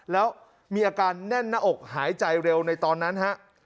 แล้วมีอาการแน่นหน้าอกหายใจเร็วในตอนนั้นฮะ